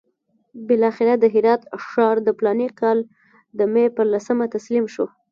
بالاخره د هرات ښار د فلاني کال د مې پر لسمه تسلیم شو.